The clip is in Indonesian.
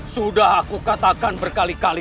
sudah aku katakan berkali kali